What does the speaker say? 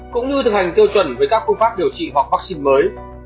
cũng như thực hành tiêu chuẩn với các phương pháp điều trị hoặc vắc xin mới